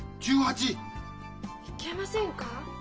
いけませんか？